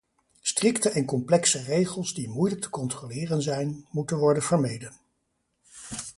Strikte en complexe regels die moeilijk te controleren zijn, moeten worden vermeden.